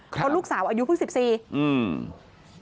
เพราะลูกสาวอายุเพิ่ง๑๔